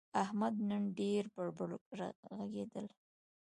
احمد نن ډېر بړ بړ ږغېدل.